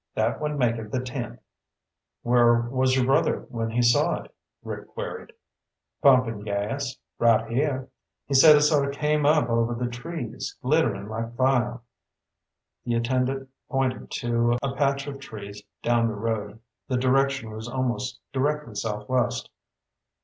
That would make it the tenth." "Where was your brother when he saw it?" Rick queried. "Pumpin' gas. Right here. He said it sort of came up over the trees, glittering like fire." The attendant pointed to a patch of trees down the road. The direction was almost directly southwest.